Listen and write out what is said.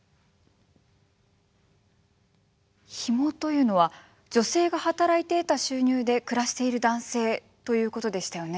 ヒモというのは女性が働いて得た収入で暮らしている男性ということでしたよね。